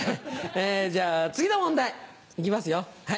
じゃあ次の問題行きますよ。